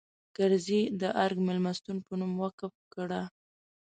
کرزي د ارګ مېلمستون په نوم وقف کړه.